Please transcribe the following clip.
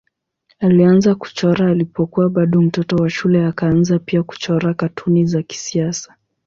Alianza kuchora alipokuwa bado mtoto wa shule akaanza pia kuchora katuni za kisiasa.